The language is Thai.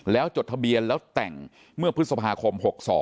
แล้วจดทะเบียนแล้วแต่งเมื่อพฤษภาคม๖๒